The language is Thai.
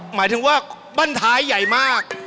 หมายถึงว่าบ้านท้ายใหญ่มาก